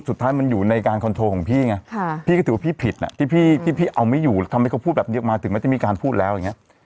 สุดท้ายมันอยู่ในการคอนโทรของพี่ไงพี่ก็ถือว่าพี่ผิดที่พี่เอาไม่อยู่แล้วทำให้เขาพูดแบบนี้มาถึงแม้จะมีการพูดแล้วอย่างนี้